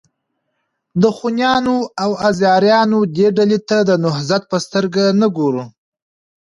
د خونیانو او آزاریانو دې ډلې ته د نهضت په سترګه نه ګورو.